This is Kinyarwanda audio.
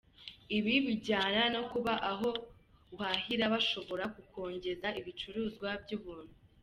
Ibi bijyana no kuba aho uhahira bashobora kukongeza ibicuruzwa by’ubuntu.